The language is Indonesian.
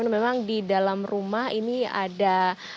memang di dalam rumah ini ada